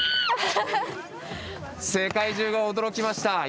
世界中が驚きました。